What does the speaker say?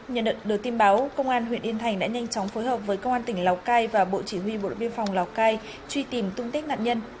nhận được tin báo công an huyện yên thành đã nhanh chóng phối hợp với công an tỉnh lào cai và bộ chỉ huy bộ đội biên phòng lào cai truy tìm tung tích nạn nhân